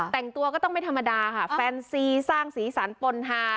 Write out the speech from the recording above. แต่งตัวก็ต้องไม่ธรรมดาค่ะแฟนซีสร้างสีสันปนฮา